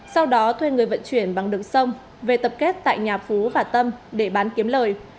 sau đó thuê người vận chuyển bằng đường sông về tập kết tại nhà phú và tâm để bán kiếm lời